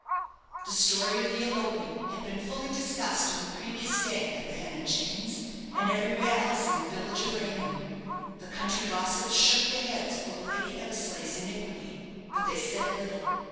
The story of the elopement had been fully discussed on the previous day at the "Hen and Chickens," and everywhere else in the village of Raynham. The country gossips shook their heads over Lady Eversleigh's iniquity, but they said little.